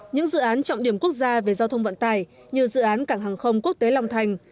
những dự án trọng điểm quốc gia về giao thông vận tải như dự án cảng hàng không quốc tế long thành